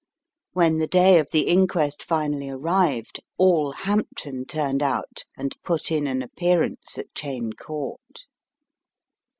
When the day of the inquest finally arrived, all Hampton turned out and put in an appearance at Cheyne Court.